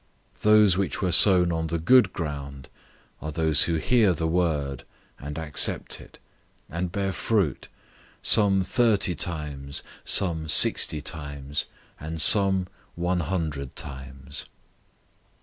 004:020 Those which were sown on the good ground are those who hear the word, and accept it, and bear fruit, some thirty times, some sixty times, and some one hundred times."